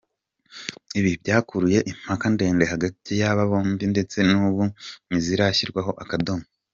Ibi byakuruye impaka ndende hagati y’aba bombi ndetse n’ubu ntizirashyirwaho akadomo.